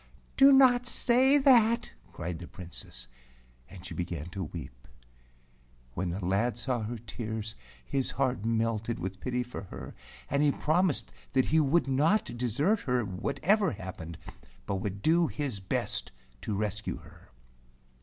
"Do not say that," cried the Princess, and she began to weep. When the lad saw her tears, his heart melted with pity for her, and he promised that he would not desert her, whatever happened, but would do his best to rescue her.